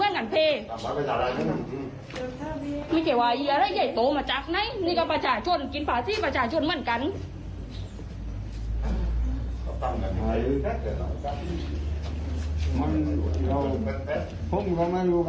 โอ้โห